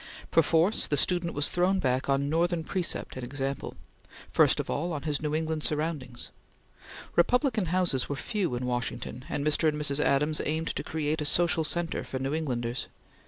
Perforce, the student was thrown back on Northern precept and example; first of all, on his New England surroundings. Republican houses were few in Washington, and Mr. and Mrs. Adams aimed to create a social centre for New Englanders.